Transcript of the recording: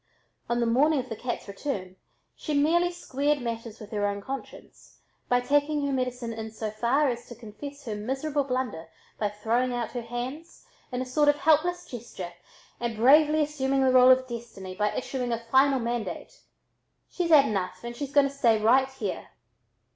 On the morning of the cat's return she merely squared matters with her own conscience by taking her medicine in so far as to confess her miserable blunder by throwing out her hands in a sort of helpless gesture and bravely assuming the role of Destiny by issuing a final mandate: "She's had enough, and she's going to stay right here."